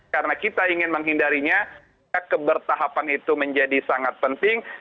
karena kita ingin menghindarinya kebertahapan itu menjadi sangat penting